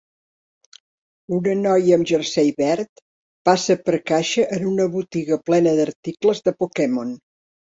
Una noia amb jersei verd passa per caixa en una botiga plena d'articles de Pokémon